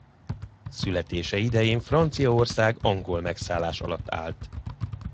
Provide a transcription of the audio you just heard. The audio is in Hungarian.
Születése idején Franciaország angol megszállás alatt állt.